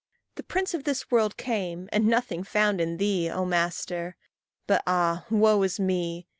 The prince of this world came, and nothing found In thee, O master; but, ah, woe is me!